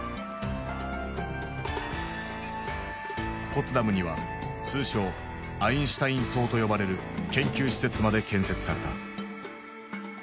ポツダムには通称「アインシュタイン塔」と呼ばれる研究施設まで建設された。